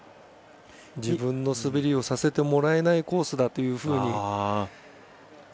自分の滑りをさせてもらえないコースだというふうに。